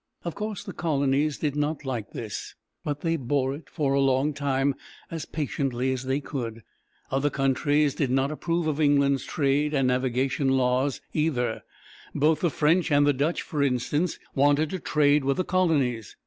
Of course, the colonies did not like this, but they bore it for a long time as patiently as they could. Other countries did not approve of England's trade and navigation laws, either. Both the French and the Dutch, for instance, wanted to trade with the colonies.